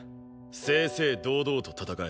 正々堂々と戦え。